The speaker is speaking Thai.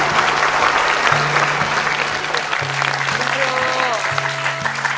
ขอบคุณค่ะ